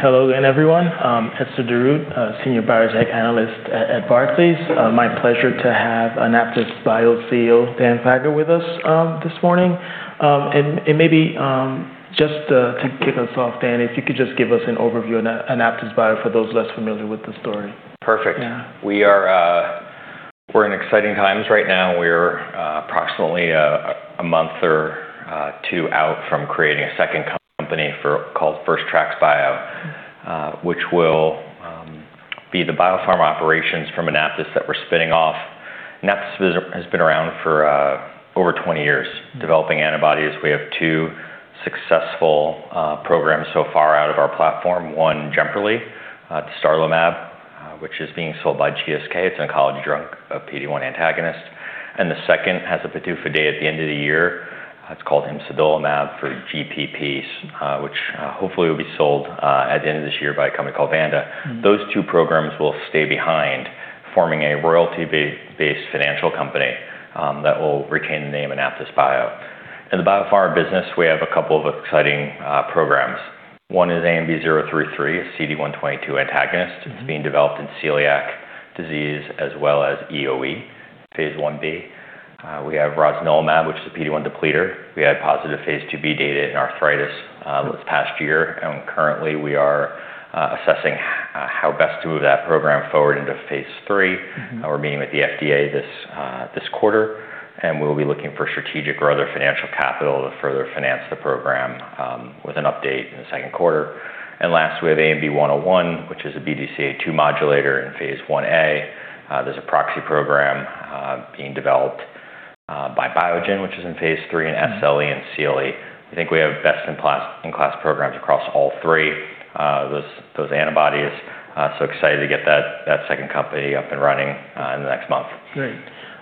Hello again, everyone. Gena Wang, a Senior Biotech Analyst at Barclays. My pleasure to have AnaptysBio CEO, Daniel Faga with us this morning. Maybe just to kick us off, Dan, if you could just give us an overview on AnaptysBio for those less familiar with the story. Perfect. Yeah. We're in exciting times right now. We're approximately a month or two out from creating a second company called First Tracks Biotherapeutics. Mm-hmm. which will be the biopharma operations from AnaptysBio that we're spinning off. AnaptysBio has been around for over 20 years developing antibodies. We have two successful programs so far out of our platform. One, Jemperli, the dostarlimab, which is being sold by GSK. It's an oncology drug, a PD-1 antagonist. The second has a phase II readout at the end of the year. It's called imsidolimab for GPP, which hopefully will be sold at the end of this year by a company called Vanda. Mm-hmm. Those two programs will stay behind, forming a royalty-based financial company that will retain the name AnaptysBio. In the biopharma business, we have a couple of exciting programs. One is ANB033, a CD122 antagonist. Mm-hmm. It's being developed in Celiac Disease as well as EoE, phase I-B. We have Rosanilimab, which is a PD-1 depleter. We had positive phase II-B data in arthritis this past year, and currently we are assessing how best to move that program forward into phase III. Mm-hmm. We're meeting with the FDA this quarter, and we'll be looking for strategic or other financial capital to further finance the program, with an update in the Q2. Last, we have ANB101, which is a BDCA-2 modulator in phase I-A. There's a proxy program being developed by Biogen, which is in phase III in SLE and CLE. I think we have best-in-class programs across all three, those antibodies. Excited to get that second company up and running in the next month. Great.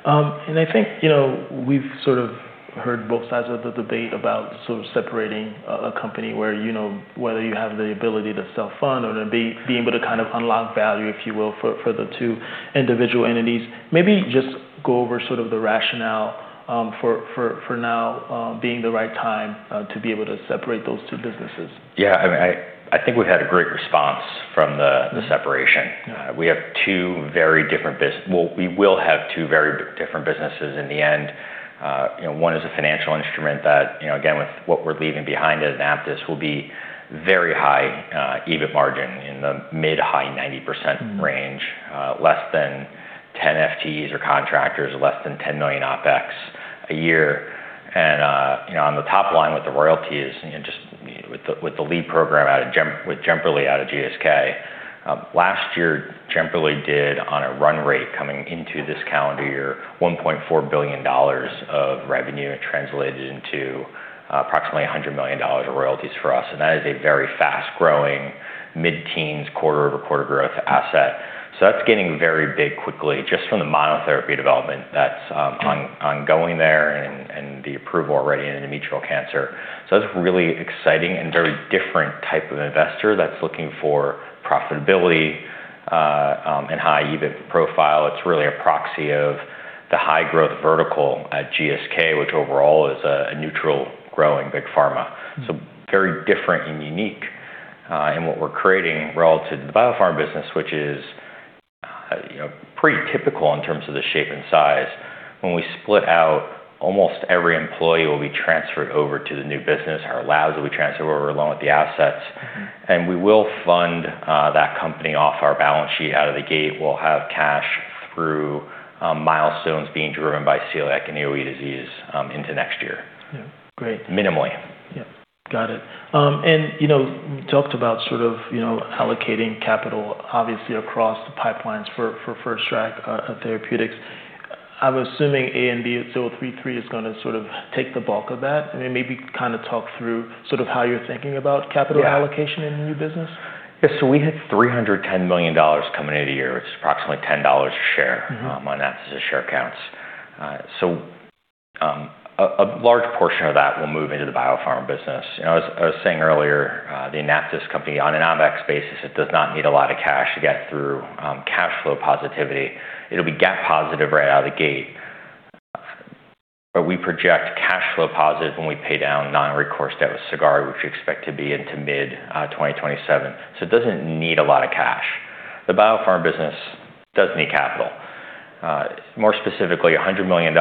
I think, you know, we've sort of heard both sides of the debate about sort of separating a company where, you know, whether you have the ability to self-fund or to be able to kind of unlock value, if you will, for the two individual entities. Maybe just go over sort of the rationale for now being the right time to be able to separate those two businesses. Yeah. I mean, I think we've had a great response from the separation. Yeah. Well, we will have two very different businesses in the end. You know, one is a financial instrument that, you know, again, with what we're leaving behind at Anaptys will be very high, EBIT margin in the mid-high 90% range. Mm-hmm. Less than 10 FTEs or contractors, less than $10 million OpEx a year. You know, on the top line with the royalties, you know, just with the lead program with Jemperli out of GSK, last year Jemperli did on a run rate coming into this calendar year, $1.4 billion of revenue. It translated into approximately $100 million of royalties for us, and that is a very fast-growing, mid-teens, quarter-over-quarter growth asset. That's getting very big quickly, just from the monotherapy development that's Mm-hmm. Ongoing there and the approval already in endometrial cancer. That's really exciting and very different type of investor that's looking for profitability and high EBIT profile. It's really a proxy of the high growth vertical at GSK, which overall is a neutral growing big pharma. Mm-hmm. Very different and unique in what we're creating relative to the biopharma business, which is, you know, pretty typical in terms of the shape and size. When we split out, almost every employee will be transferred over to the new business. Our labs will be transferred over along with the assets. Mm-hmm. We will fund that company off our balance sheet out of the gate. We'll have cash through milestones being driven by Celiac and EoE disease into next year. Yeah. Great. Minimally. Yeah. Got it. You know, you talked about sort of, you know, allocating capital obviously across the pipelines for First Tracks Biotherapeutics. I'm assuming ANB033 is gonna sort of take the bulk of that. I mean, maybe kind of talk through sort of how you're thinking about capital allocation? Yeah. in the new business. Yeah. We hit $310 million coming into the year, which is approximately $10 a share. Mm-hmm. On AnaptysBio share counts, a large portion of that will move into the biopharma business. You know, as I was saying earlier, the AnaptysBio company on an OpEx basis, it does not need a lot of cash to get through cash flow positivity. It'll be GAAP positive right out of the gate. We project cash flow positive when we pay down non-recourse debt with Sagard, which we expect to be into mid-2027. It doesn't need a lot of cash. The biopharma business does need capital. More specifically, $100 million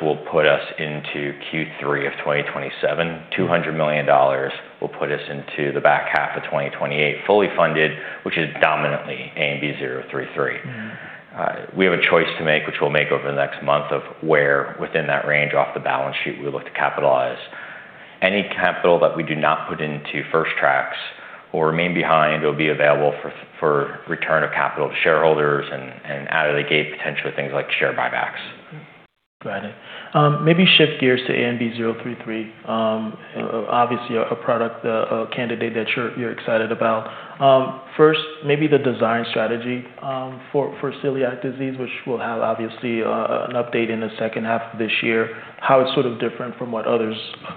will put us into Q3 of 2027. Mm-hmm. $200 million will put us into the back half of 2028, fully funded, which is dominantly ANB033. Mm-hmm. We have a choice to make, which we'll make over the next month, of where within that range off the balance sheet we look to capitalize. Any capital that we do not put into First Tracks will remain behind, it'll be available for return of capital to shareholders and out of the gate, potentially things like share buybacks. Got it. Maybe shift gears to ANB033. Obviously a product candidate that you're excited about. First, maybe the design strategy for celiac disease, which we'll have obviously an update in the second half of this year, how it's sort of different from what others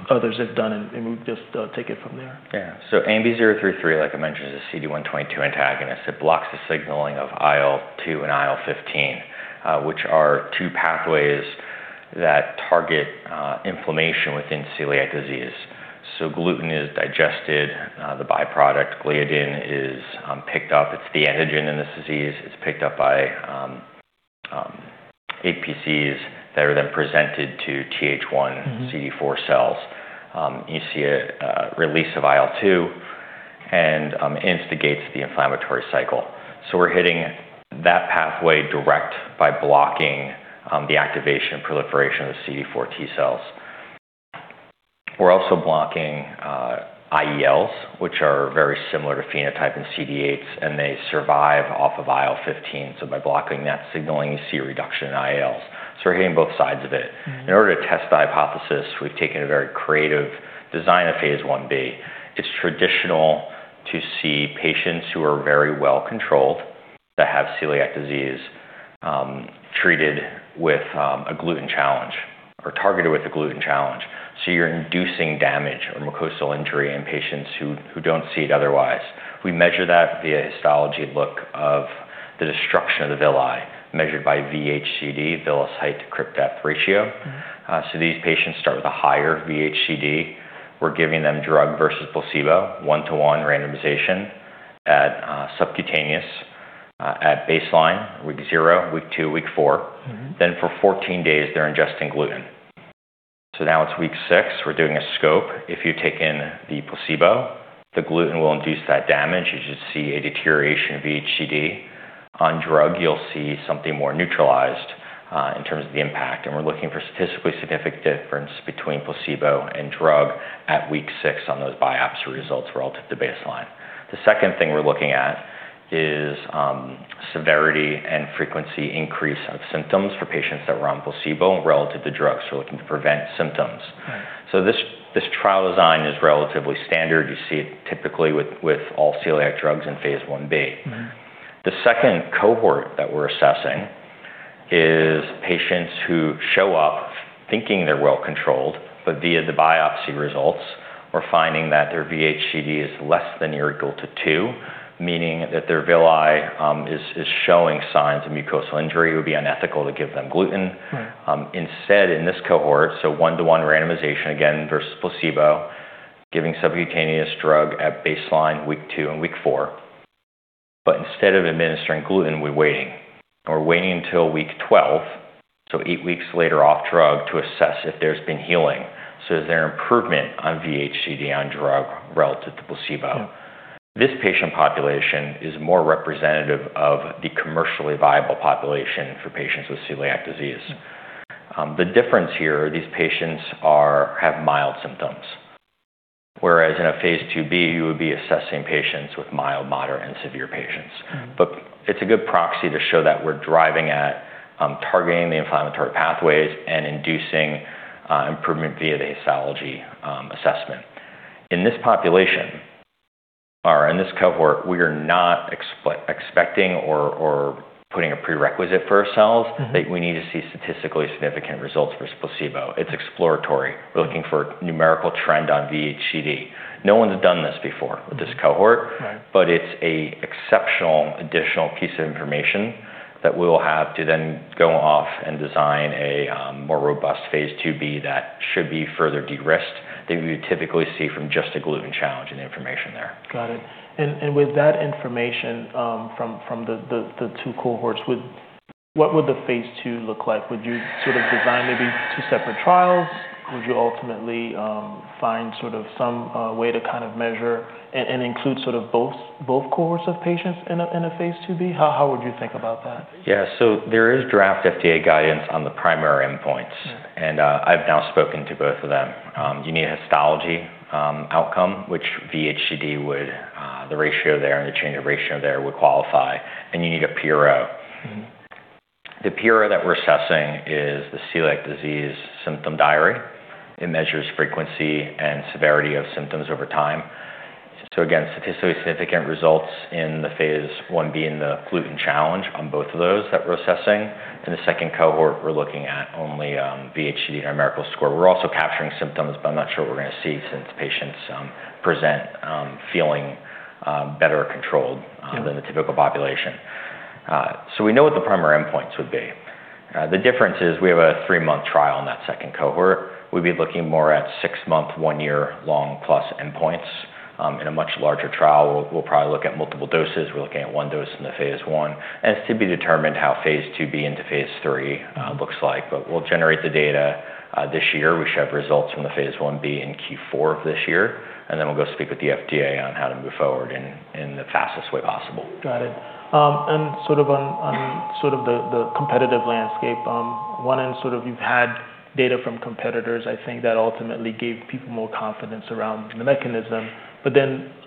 have done and we'll just take it from there. Yeah. ANB033, like I mentioned, is a CD122 antagonist. It blocks the signaling of IL-2 and IL-15, which are two pathways that target inflammation within celiac disease. Gluten is digested, the byproduct gliadin is picked up. It's the antigen in this disease. It's picked up by APCs that are then presented to TH1- Mm-hmm. CD4 cells. You see a release of IL-2 and instigates the inflammatory cycle. We're hitting that pathway directly by blocking the activation and proliferation of the CD4 T cells. We're also blocking IELs, which are very similar in phenotype to CD8s, and they survive off of IL-15. By blocking that signaling, you see a reduction in IELs. We're hitting both sides of it. Mm-hmm. In order to test the hypothesis, we've taken a very creative design of phase I-B. It's traditional to see patients who are very well controlled, that have celiac disease, treated with a gluten challenge or targeted with a gluten challenge. You're inducing damage or mucosal injury in patients who don't see it otherwise. We measure that via histology look of the destruction of the villi, measured by VHCD, villous height-to-crypt depth ratio. Mm-hmm. These patients start with a higher VHCD. We're giving them drug versus placebo, one-to-one randomization at subcutaneous at baseline, week zero, week two, week four. Mm-hmm. For 14 days, they're ingesting gluten. Now it's week six, we're doing a scope. If you take in the placebo, the gluten will induce that damage. You should see a deterioration of VHCD. On drug, you'll see something more neutralized in terms of the impact, and we're looking for statistically significant difference between placebo and drug at week six on those biopsy results relative to baseline. The second thing we're looking at is severity and frequency increase of symptoms for patients that were on placebo relative to drug. We're looking to prevent symptoms. Right. This trial design is relatively standard. You see it typically with all celiac drugs in phase I-B. Mm-hmm. The second cohort that we're assessing is patients who show up thinking they're well controlled, but via the biopsy results, we're finding that their VHCD is less than or equal to two, meaning that their villi is showing signs of mucosal injury. It would be unethical to give them gluten. Right. Instead in this cohort, one-to-one randomization again versus placebo, giving subcutaneous drug at baseline week two and week four. Instead of administering gluten, we're waiting till week 12, so eight weeks later off drug, to assess if there's been healing. Is there improvement on VHCD on drug relative to placebo? Hmm. This patient population is more representative of the commercially viable population for patients with Celiac disease. Mm-hmm. The difference here, these patients have mild symptoms. Whereas in a phase II-B, you would be assessing patients with mild, moderate, and severe patients. Mm-hmm. It's a good proxy to show that we're driving at targeting the inflammatory pathways and inducing improvement via the histology assessment. In this population or in this cohort, we are not expecting or putting a prerequisite for ourselves- Mm-hmm. That we need to see statistically significant results versus placebo. It's exploratory. We're looking for numerical trend on VHCD. No one's done this before with this cohort. Right. It's an exceptional additional piece of information that we'll have to then go off and design a more robust phase II-B that should be further de-risked than we would typically see from just a gluten challenge and the information there. Got it. With that information from the two cohorts, what would the phase II look like? Would you sort of design maybe two separate trials? Would you ultimately find sort of some way to kind of measure and include sort of both cohorts of patients in a phase I-B? How would you think about that? Yeah. There is draft FDA guidance on the primary endpoints. Mm-hmm. I've now spoken to both of them. You need a histology outcome, which VHCD would the ratio there and the change of ratio there would qualify, and you need a PRO. Mm-hmm. The PRO that we're assessing is the celiac disease symptom diary. It measures frequency and severity of symptoms over time. Again, statistically significant results in the phase I-B in the gluten challenge on both of those that we're assessing. In the second cohort, we're looking at only VHCD numerical score. We're also capturing symptoms, but I'm not sure what we're going to see since patients present feeling better controlled. Yeah. -than the typical population. So we know what the primary endpoints would be. The difference is we have a three month trial in that second cohort. We'd be looking more at six month, one year long plus endpoints, in a much larger trial. We'll probably look at multiple doses. We're looking at one dose in the phase I. It's to be determined how phase II-B into phase III looks like. We'll generate the data, this year. We should have results from the phase I-B in Q4 of this year, and then we'll go speak with the FDA on how to move forward in the fastest way possible. Got it. Sort of on the competitive landscape, on one end, sort of you've had data from competitors. I think that ultimately gave people more confidence around the mechanism.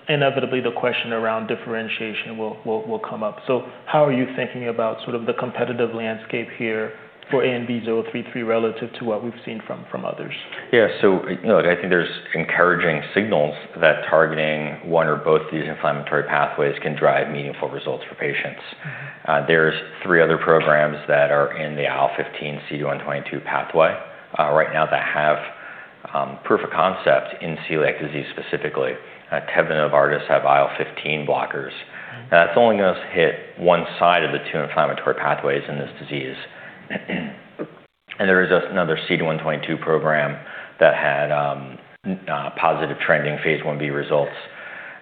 Inevitably the question around differentiation will come up. How are you thinking about sort of the competitive landscape here for ANB033 relative to what we've seen from others? Yeah. You know, like I think there's encouraging signals that targeting one or both of these inflammatory pathways can drive meaningful results for patients. Mm-hmm. There's three other programs that are in the IL-15/CD122 pathway right now that have proof of concept in celiac disease specifically. Teva and Novartis have IL-15 blockers. Mm-hmm. Now, that's only gonna hit one side of the two inflammatory pathways in this disease. There is another CD122 program that had positive trending phase I-B results.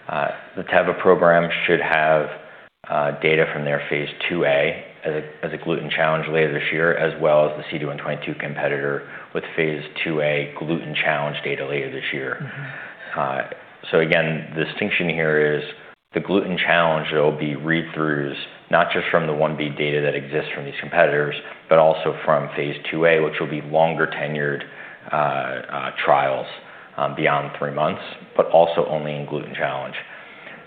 The Teva program should have data from their phase II-B as a gluten challenge later this year, as well as the CD122 competitor with phase II-B gluten challenge data later this year. Mm-hmm. Again, the distinction here is the gluten challenge. There will be read-throughs, not just from the phase I-B data that exists from these competitors, but also from phase II-B, which will be longer tenured trials beyond three months, but also only in gluten challenge.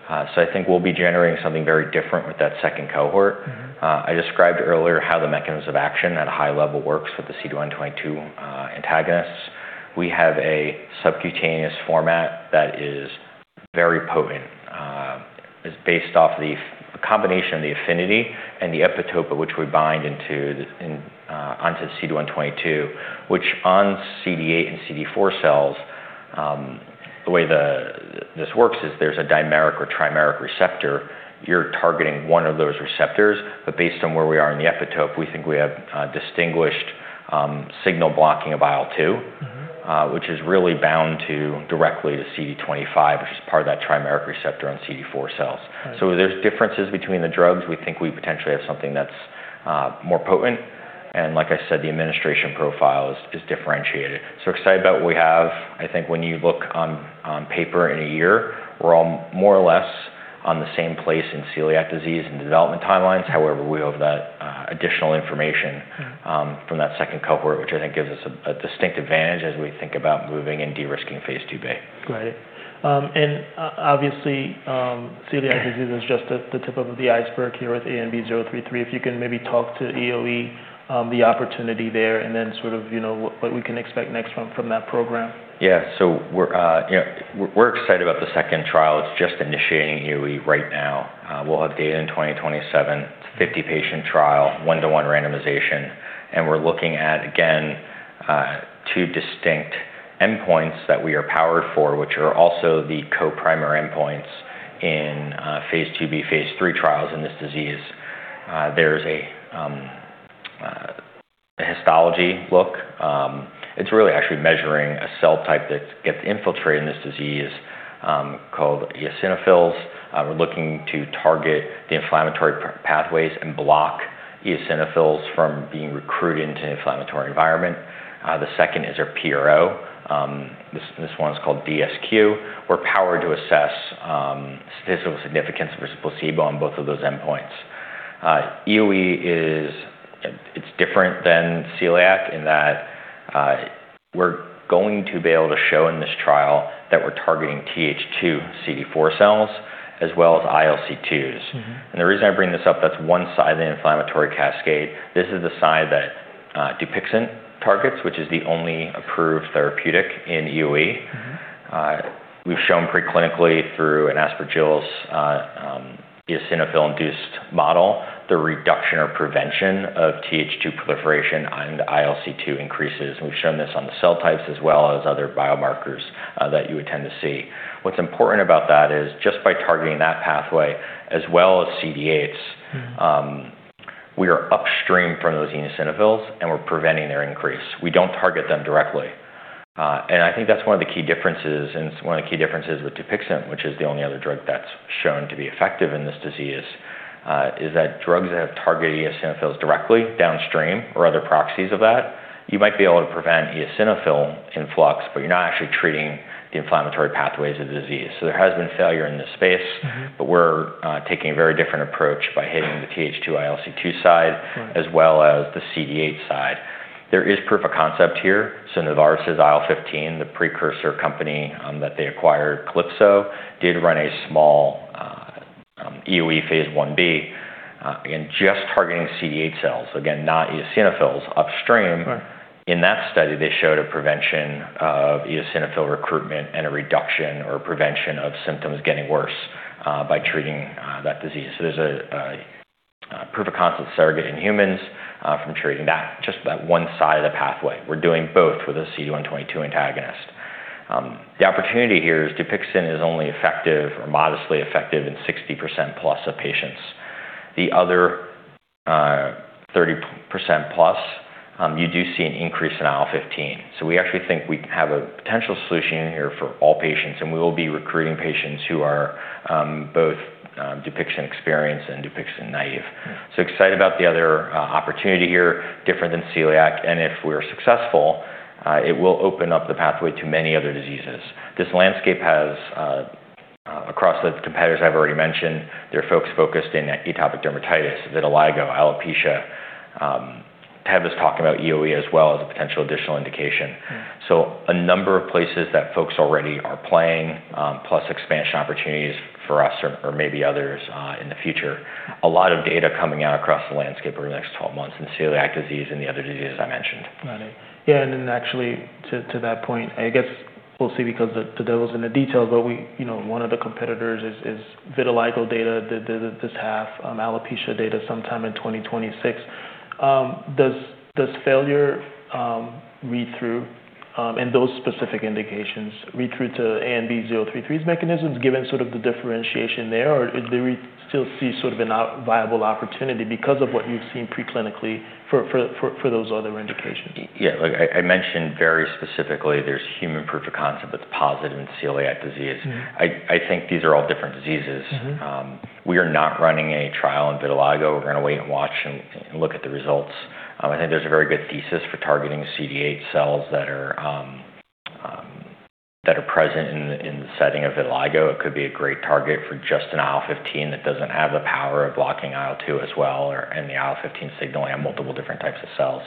I think we'll be generating something very different with that second cohort. Mm-hmm. I described earlier how the mechanism of action at a high level works with the CD122 antagonists. We have a subcutaneous format that is very potent. It's based off the combination of the affinity and the epitope at which we bind onto CD122, which on CD8 and CD4 cells, the way this works is there's a dimeric or trimeric receptor. You're targeting one of those receptors, but based on where we are in the epitope, we think we have distinguished signal blocking of IL-2. Mm-hmm which is really bound directly to CD25, which is part of that trimeric receptor on CD4 cells. Right. There's differences between the drugs. We think we potentially have something that's more potent, and like I said, the administration profile is differentiated. Excited about what we have. I think when you look on paper in a year, we're all more or less on the same place in celiac disease and development timelines. However, we have that additional information. Yeah from that second cohort, which I think gives us a distinct advantage as we think about moving and de-risking phase II-B. Right. Obviously, celiac disease is just the tip of the iceberg here with ANB033. If you can maybe talk about EoE, the opportunity there, and then sort of, you know, what we can expect next from that program. Yeah. We're, you know, excited about the second trial. It's just initiating EoE right now. We'll have data in 2027. It's a 50 patient trial, one-to-one randomization, and we're looking at, again, two distinct endpoints that we are powered for, which are also the co-primary endpoints in phase II-B, phase III trials in this disease. There's a histology look. It's really actually measuring a cell type that gets infiltrated in this disease, called eosinophils. We're looking to target the inflammatory pathways and block eosinophils from being recruited into the inflammatory environment. The second is our PRO. This one's called DSQ. We're powered to assess statistical significance versus placebo on both of those endpoints. EoE is. It's different than celiac in that we're going to be able to show in this trial that we're targeting TH2 CD4 cells as well as ILC2s. Mm-hmm. The reason I bring this up, that's one side of the inflammatory cascade. This is the side that Dupixent targets, which is the only approved therapeutic in EoE. Mm-hmm. We've shown preclinically through an Aspergillus, eosinophil-induced model, the reduction or prevention of TH2 proliferation and ILC2 increases, and we've shown this on the cell types as well as other biomarkers, that you would tend to see. What's important about that is just by targeting that pathway as well as CD8s. Mm-hmm We are upstream from those eosinophils, and we're preventing their increase. We don't target them directly. I think that's one of the key differences, and it's one of the key differences with Dupixent, which is the only other drug that's shown to be effective in this disease, is that drugs that have targeted eosinophils directly downstream or other proxies of that, you might be able to prevent eosinophil influx, but you're not actually treating the inflammatory pathways of the disease. There has been failure in this space. Mm-hmm We're taking a very different approach by hitting the TH2 ILC2 side. Right... as well as the CD8 side. There is proof of concept here. Novartis' IL-15, the precursor company that they acquired, CALYPSO, did run a small EoE phase I-B in just targeting CD8 cells, again, not eosinophils upstream. Right. In that study, they showed a prevention of eosinophil recruitment and a reduction or prevention of symptoms getting worse, by treating that disease. There's a proof of concept surrogate in humans from treating that, just that one side of the pathway. We're doing both with a CD122 antagonist. The opportunity here is Dupixent is only effective or modestly effective in 60%+ of patients. The other 30%+, you do see an increase in IL-15. We actually think we have a potential solution in here for all patients, and we will be recruiting patients who are both Dupixent-experienced and Dupixent-naive. Hmm. Excited about the other, opportunity here, different than celiac, and if we're successful, it will open up the pathway to many other diseases. This landscape has, across the competitors I've already mentioned, there are folks focused in atopic dermatitis, vitiligo, alopecia. Teva's talking about EoE as well as a potential additional indication. Hmm. A number of places that folks already are playing, plus expansion opportunities for us or maybe others in the future. A lot of data coming out across the landscape over the next 12 months in celiac disease and the other diseases I mentioned. Got it. Yeah, actually to that point. We'll see because the devil's in the details, but you know, one of the competitors has vitiligo data this half, alopecia data sometime in 2026. Does failure read through in those specific indications read through to ANB033's mechanisms given sort of the differentiation there, or do we still see sort of a viable opportunity because of what you've seen preclinically for those other indications? Yeah. Look, I mentioned very specifically there's human proof of concept that's positive in celiac disease. Mm-hmm. I think these are all different diseases. Mm-hmm. We are not running any trial in vitiligo. We're gonna wait and watch and look at the results. I think there's a very good thesis for targeting CD8 cells that are present in the setting of vitiligo. It could be a great target for just an IL-15 that doesn't have the power of blocking IL-2 as well or, and the IL-15 signal on multiple different types of cells.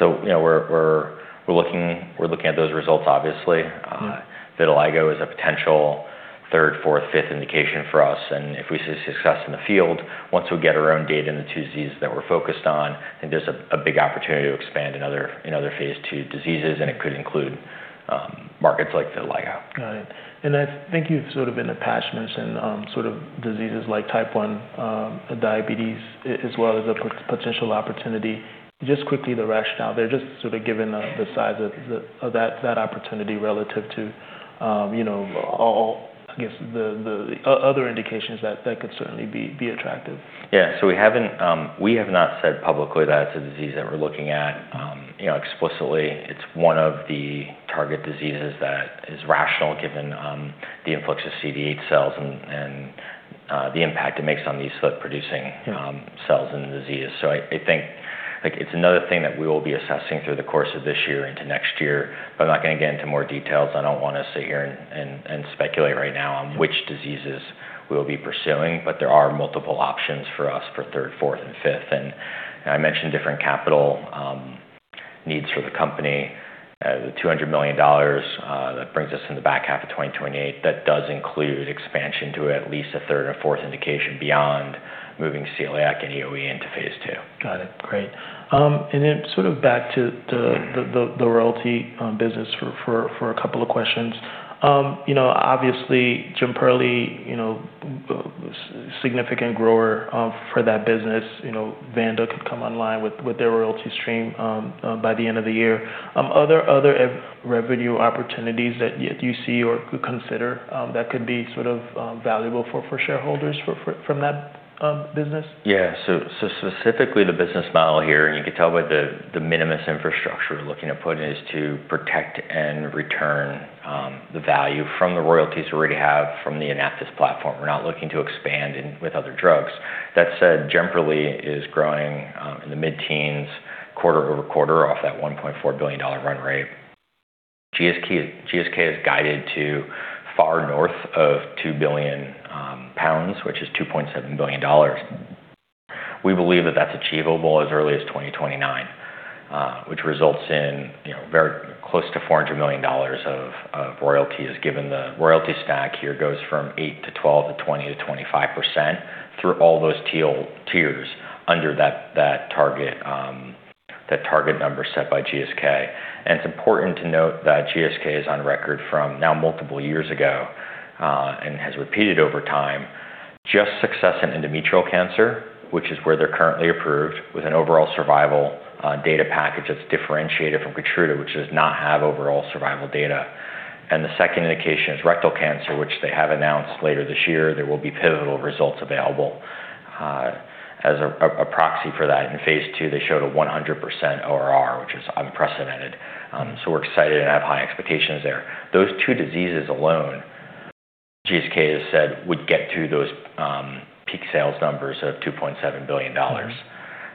You know, we're looking at those results, obviously. Mm-hmm. Vitiligo is a potential third, fourth, fifth indication for us, and if we see success in the field, once we get our own data in the two diseases that we're focused on, I think there's a big opportunity to expand in other phase II diseases, and it could include markets like vitiligo. Got it. I think you've sort of been impassioned in sort of diseases like type 1 diabetes as well as a potential opportunity. Just quickly the rationale there, just sort of given the size of that opportunity relative to, you know, all, I guess the other indications that that could certainly be attractive. We have not said publicly that it's a disease that we're looking at, you know, explicitly. It's one of the target diseases that is rational given the influx of CD8 cells and the impact it makes on these beta producing- Yeah. cells in the disease. I think, like, it's another thing that we will be assessing through the course of this year into next year, but I'm not gonna get into more details. I don't wanna sit here and speculate right now on which diseases we'll be pursuing, but there are multiple options for us for third, fourth, and fifth. I mentioned different capital needs for the company. The $200 million that brings us in the back half of 2028 does include expansion to at least a third or fourth indication beyond moving celiac and EoE into phase II. Got it. Great. Then sort of back to the royalty business for a couple of questions. You know, obviously Jemperli, you know, significant grower for that business. You know, Vanda could come online with their royalty stream by the end of the year. Other revenue opportunities that you see or could consider that could be sort of valuable for shareholders from that business? Specifically the business model here, and you could tell by the minimis infrastructure we're looking to put in, is to protect and return the value from the royalties we already have from the Anaptys platform. We're not looking to expand in with other drugs. That said, Jemperli is growing in the mid-teens quarter-over-quarter off that $1.4 billion run rate. GSK has guided to far north of 2 billion pounds, which is $2.7 billion. We believe that that's achievable as early as 2029, which results in, you know, very close to $400 million of royalties given the royalty stack here goes from 8% to 12% to 20% to 25% through all those tiered tiers under that target number set by GSK. It's important to note that GSK is on record from now multiple years ago, and has repeated over time, just success in endometrial cancer, which is where they're currently approved, with an overall survival, data package that's differentiated from Keytruda, which does not have overall survival data. The second indication is rectal cancer, which they have announced later this year there will be pivotal results available. As a proxy for that, in phase II, they showed a 100% ORR, which is unprecedented. We're excited and have high expectations there. Those two diseases alone, GSK has said, would get to those peak sales numbers of $2.7 billion.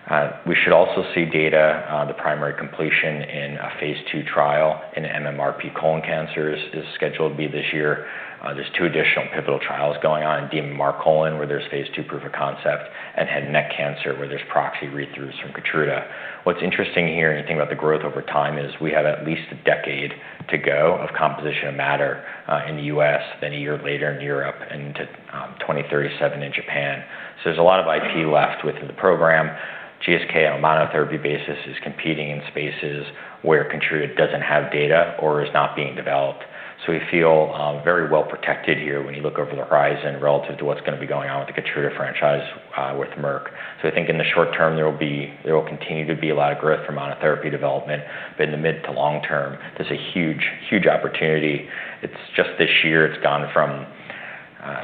Mm-hmm. We should also see data, the primary completion in a phase II trial in pMMR colon cancers is scheduled to be this year. There's two additional pivotal trials going on in dMMR colon cancer, where there's phase II proof of concept, and head and neck cancer, where there's proxy read-throughs from Keytruda. What's interesting here, and you think about the growth over time, is we have at least a decade to go of composition of matter in the U.S., then a year later in Europe, and into 2037 in Japan. There's a lot of IP left within the program. GSK, on a monotherapy basis, is competing in spaces where Keytruda doesn't have data or is not being developed. We feel very well-protected here when you look over the horizon relative to what's gonna be going on with the Keytruda franchise with Merck. I think in the short term, there will continue to be a lot of growth for monotherapy development. In the mid to long term, there's a huge, huge opportunity. It's just this year it's gone from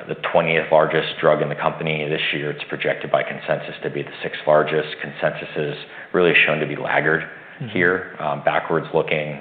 the 20th largest drug in the company. This year it's projected by consensus to be the 6th largest. Consensus is really shown to be laggard here. Mm-hmm. Backward-looking,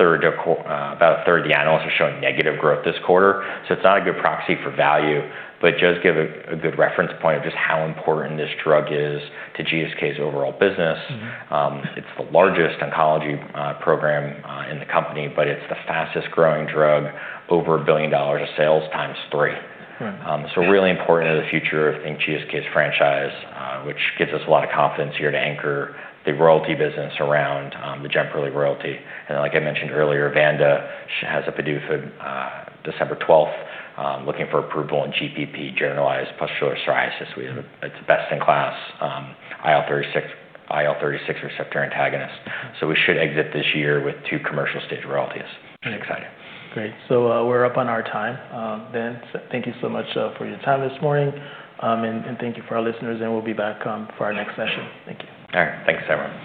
about a third of the analysts are showing negative growth this quarter. It's not a good proxy for value, but just give a good reference point of just how important this drug is to GSK's overall business. Mm-hmm. It's the largest oncology program in the company, but it's the fastest growing drug, over $1 billion of sales times three. Right. Yeah. Really important to the future of, I think, GSK's franchise, which gives us a lot of confidence here to anchor the royalty business around the Jemperli royalty. Like I mentioned earlier, imsidolimab has a PDUFA December 12, looking for approval in GPP, generalized pustular psoriasis. It's best in class IL-36 receptor antagonist. We should exit this year with two commercial stage royalties. Mm-hmm. I'm excited. Great. We're up on our time. Daniel Faga, thank you so much for your time this morning. And thank you for our listeners, and we'll be back for our next session. Thank you. All right. Thanks, everyone.